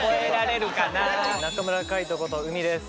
中村海人ことうみです